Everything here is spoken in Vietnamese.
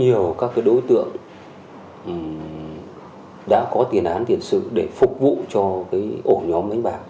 mình đã tập trung rất nhiều các đối tượng đã có tiền hán tiền sự để phục vụ cho ổ nhóm đánh bạc